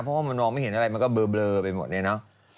เพราะว่ามันมองไม่เห็นอะไรมันก็เบลอไปหมดเนี่ยเนอะ